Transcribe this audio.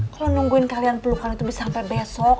kalo nungguin kalian pelukan itu bisa sampe besok